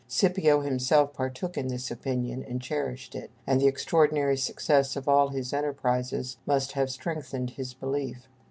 Scipio himself partook in this opinion, and cherished it; and the extraordinary success of all his enterprises must have strengthened his belief.